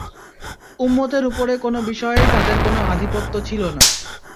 উম্মতের উপরে কোন বিষয়েই তাদের কোন আধিপত্য ছিল না।